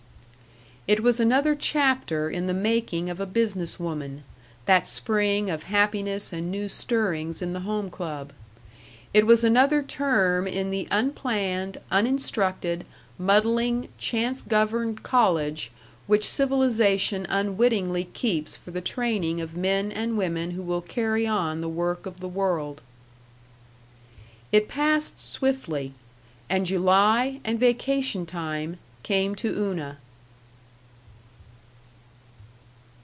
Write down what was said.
It was another chapter in the making of a business woman, that spring of happiness and new stirrings in the Home Club; it was another term in the unplanned, uninstructed, muddling, chance governed college which civilization unwittingly keeps for the training of men and women who will carry on the work of the world. It passed swiftly, and July and vacation time came to Una.